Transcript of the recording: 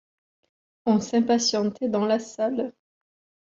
On s’impatientait dans la salle.